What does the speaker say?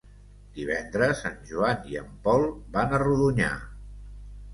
Divendres en Joan i en Pol van a Rodonyà.